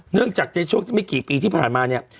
เนื่องจากในช่วงที่ไม่กี่ปีที่ผ่านมาเนี่ย